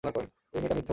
এই মেয়েটা মিথ্যা বলছে।